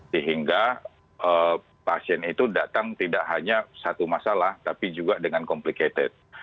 sehingga pasien itu datang tidak hanya satu masalah tapi juga dengan complicated